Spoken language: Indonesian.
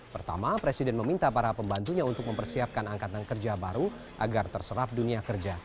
pertama presiden meminta para pembantunya untuk mempersiapkan angkatan kerja baru agar terserap dunia kerja